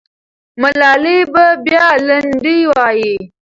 ملالۍ به بیا لنډۍ وایي.